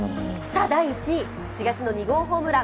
第１位、４月の２号ホームラン。